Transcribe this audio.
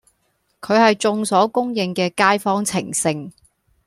佢係眾所公認嘅街坊情聖